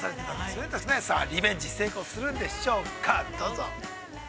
さあ、リベンジ成功するんでしょうか、どうぞ。